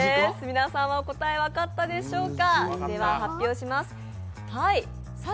皆さんは答え分かったでしょうか。